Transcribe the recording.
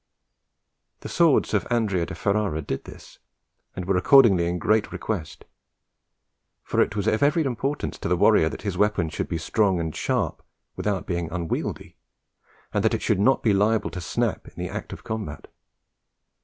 The swords of Andrea de Ferrara did this, and were accordingly in great request; for it was of every importance to the warrior that his weapon should be strong and sharp without being unwieldy, and that it should not be liable to snap in the act of combat.